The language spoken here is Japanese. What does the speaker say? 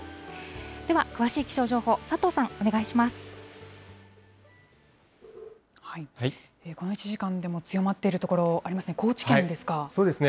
では詳しい気象情報、佐藤さん、この１時間でも強まっているそうですね。